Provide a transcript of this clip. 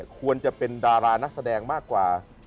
ควรจะเป็นดารานักแสดงมากกว่า